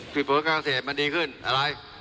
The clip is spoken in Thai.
ผลิตผลการเศสมันดีขึ้นอะไร